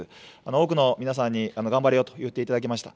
多くの皆さんに頑張れよと言っていただきました。